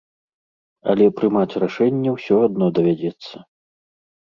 Але прымаць рашэнне ўсё адно давядзецца.